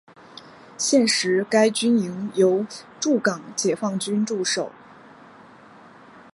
现时该军营由驻港解放军驻守。